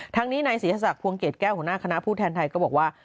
ตรงนี้ไนศรีชศักดิ์การภูมิเกลียดแก้วของหน้าคณะพูดแทนไทยมันบอกว่า